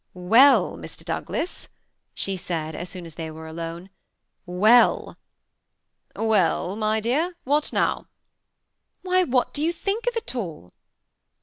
*<Well, Mr. Douglas!" she said, as soon as th^ were alone, <^weUI" "Well, my dear.i what now?" <*Why, what do you think of it all?"